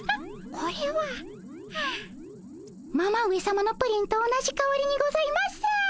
はあママ上さまのプリンと同じかおりにございます。